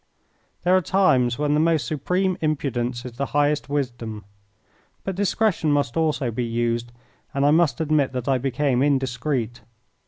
There are times when the most supreme impudence is the highest wisdom. But discretion must also be used, and I must admit that I became indiscreet.